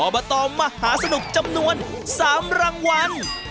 บตมหาสนุกจำนวน๓รางวัล